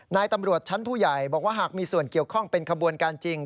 นายตำรวจชั้นผู้ใหญ่บอกว่าหากมีส่วนเกี่ยวข้องเป็นขบวนการจริง